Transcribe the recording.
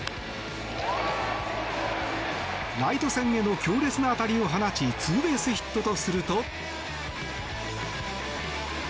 ライト線への強烈な当たりを放ちツーベースヒットとすると。